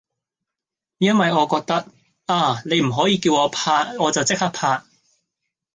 因為我覺得呀你唔可以叫我拍就即刻拍